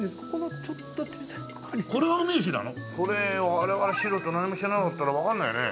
これ我々素人何も知らなかったらわかんないよね